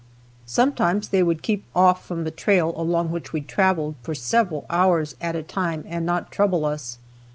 Sometimes they would keep off from the trail along which we traveled, for several hours at a time and not trouble us.